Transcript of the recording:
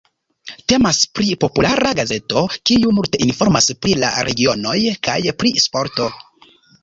Temas pri populara gazeto kiu multe informas pri la regionoj kaj pri sporto.